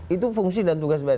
itu fungsi dan tugas baik